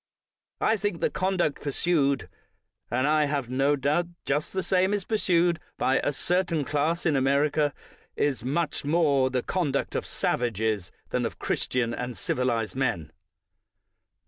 I think the conduct pursued — and I have no doubt just the same is pursued by a certain class in America — is much more the eon duct of savages than of Christian and civilized men.